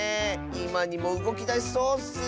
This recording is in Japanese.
いまにもうごきだしそうッス。